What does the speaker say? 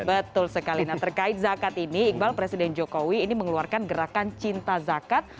betul sekali nah terkait zakat ini iqbal presiden jokowi ini mengeluarkan gerakan cinta zakat